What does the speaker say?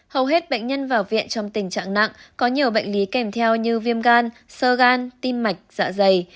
hầu hết bệnh nhân vào viện trong tình trạng nặng có nhiều bệnh lý kèm theo như viêm gan sơ gan tim mạch dạ dày